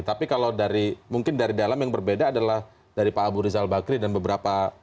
tapi kalau dari mungkin dari dalam yang berbeda adalah dari pak abu rizal bakri dan beberapa